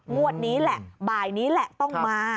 งวดนี้แหละบ่ายนี้แหละต้องมา